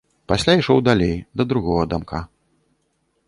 Пасля ішоў далей, да другога дамка.